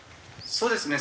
そうですね。